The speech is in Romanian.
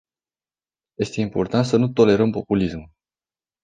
Este important să nu tolerăm populismul.